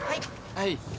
はい。